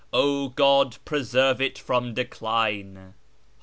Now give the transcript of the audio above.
O God, preserve it from decline